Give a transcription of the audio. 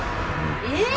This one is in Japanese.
えっ！？